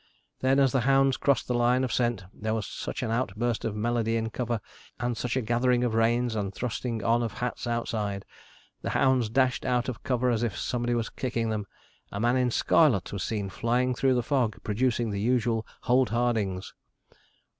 Then as the hounds crossed the line of scent, there was such an outburst of melody in cover, and such gathering of reins and thrusting on of hats outside! The hounds dashed out of cover as if somebody was kicking them. A man in scarlet was seen flying through the fog, producing the usual hold hardings.